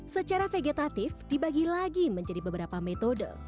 secara vegetatif dibagi lagi menjadi beberapa metode